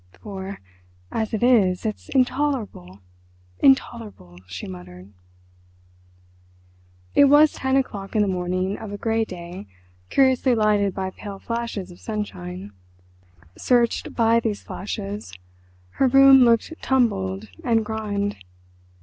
"For, as it is, it's intolerable—intolerable!" she muttered. It was ten o'clock in the morning of a grey day curiously lighted by pale flashes of sunshine. Searched by these flashes her room looked tumbled and grimed.